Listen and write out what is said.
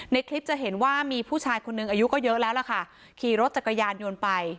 ในคลิปจะเห็นว่ามีผู้ชายคนหนึ่งอายุก็เยอะแล้วล่ะค่ะขี่รถจักรยานยนต์ไป